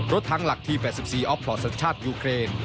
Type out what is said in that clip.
รถถังหลักที่๘๔อสันชาติยุเครน